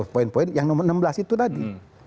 poin poin yang nomor enam belas itu tadi